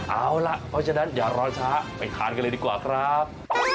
เอาล่ะเพราะฉะนั้นอย่ารอช้าไปทานกันเลยดีกว่าครับ